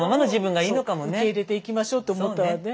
受け入れていきましょうって思ったわね。